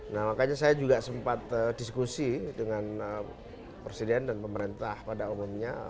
nah makanya saya juga sempat diskusi dengan presiden dan pemerintah pada umumnya